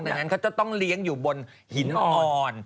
ดังนั้นเขาจะต้องเลี้ยงอยู่บนหินอ่อน